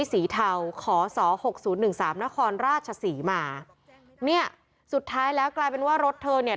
สอ๖๐๑๓นครราชศรีหมาเนี่ยสุดท้ายแล้วกลายเป็นว่ารถเธอเนี่ย